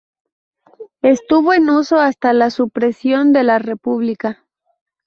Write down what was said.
Estuvo en uso hasta la supresión de la República.